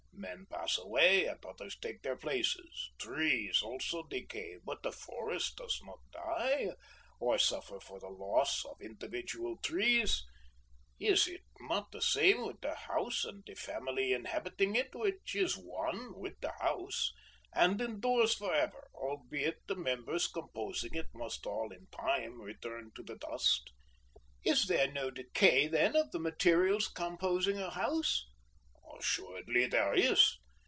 Men pass away, and others take their places. Trees also decay, but the forest does not die, or suffer for the loss of individual trees; is it not the same with the house and the family inhabiting it, which is one with the house, and endures forever, albeit the members composing it must all in time return to the dust?" "Is there no decay, then, of the materials composing a house?" "Assuredly there is!